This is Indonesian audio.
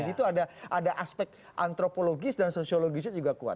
di situ ada aspek antropologis dan sosiologisnya juga kuat